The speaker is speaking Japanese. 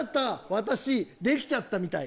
私できちゃったみたい。